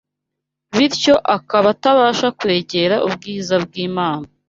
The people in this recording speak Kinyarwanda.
bityo akaba atabasha kwegera ubwiza bw’Imana